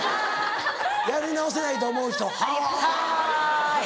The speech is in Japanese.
やり直せないと思う人はい。